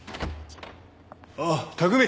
あっ拓海！